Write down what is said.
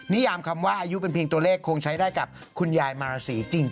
ยามคำว่าอายุเป็นเพียงตัวเลขคงใช้ได้กับคุณยายมาราศีจริง